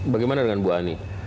bagaimana dengan bu ani